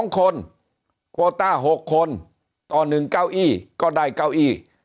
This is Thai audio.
๒คนโคต้า๖คนต่อ๑เก้าอี้ก็ได้เก้าอี้